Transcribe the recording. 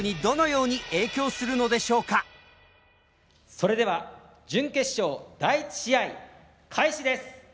それでは準決勝第１試合開始です。